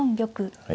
はい。